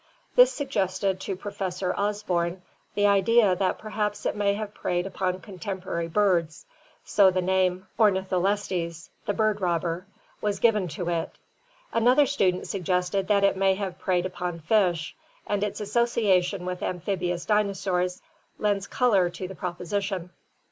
This suggested to Professor Osborn the idea that perhaps it may have preyed upon contem porary birds, so the name Ornitholestes, the "bird robber," was given to it. Another student suggested that it may have preyed upon fish, and its association with amphibious dinosaurs lends color to the proposition.